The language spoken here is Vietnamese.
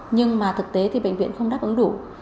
nhưng mà thực tế thì bệnh viện không đáp ứng đủ